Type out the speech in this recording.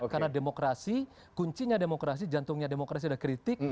karena demokrasi kuncinya demokrasi jantungnya demokrasi adalah kritik